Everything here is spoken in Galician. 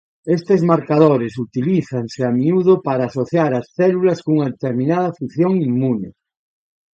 Estes marcadores utilízanse a miúdo para asociar as células cunha determinada función inmune.